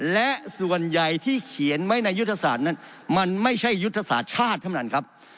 และส่วนใหญ่ที่เขียนไว้ในยุทธศาสตร์นั้นมันไม่ใช่ยุทธศาสตร์ชาติท่านประธานครับ